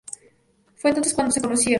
Fue entonces cuando se conocieron.